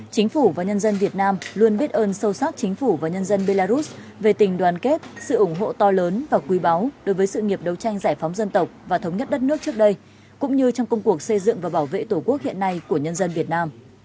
chính phủ và nhân dân việt nam luôn biết ơn sâu sắc chính phủ và nhân dân belarus về tình đoàn kết sự ủng hộ to lớn và quý báu đối với sự nghiệp đấu tranh giải phóng dân tộc và thống nhất đất nước trước đây cũng như trong công cuộc xây dựng và bảo vệ tổ quốc hiện nay của nhân dân việt nam